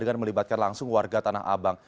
dengan melibatkan langsung warga tanah abang